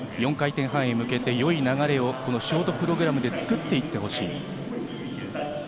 ４回転半に向けて良い流れをショートプログラムで作っていってほしい。